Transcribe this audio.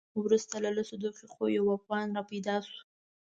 وروسته له لسو دقیقو یو افغان را پیدا شو.